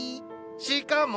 しかも！